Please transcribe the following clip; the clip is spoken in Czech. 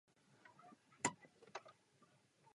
Boj proti producentům tabáku není způsob, jak omezit kouření.